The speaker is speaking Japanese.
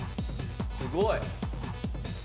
すごい！